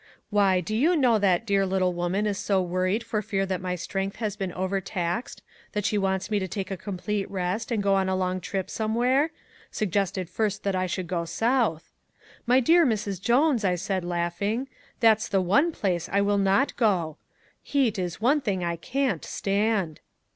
Why do you know that dear little woman is so worried for fear that my strength has been overtaxed that she wants me to take a complete rest and go on a long trip somewhere suggested first that I should go south. 'My dear Mrs. Jones,' I said laughing, 'that's the ONE place I will not go. Heat is the one thing I CAN'T stand.'